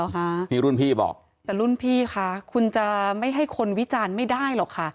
หรอค่ะแต่รุ่นพี่ค่ะคุณจะไม่ให้คนวิจารณ์ไม่ได้หรอกค่ะ